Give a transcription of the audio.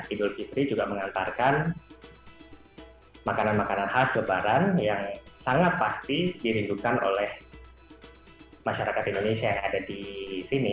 idul fitri juga mengantarkan makanan makanan khas lebaran yang sangat pasti dirindukan oleh masyarakat indonesia yang ada di sini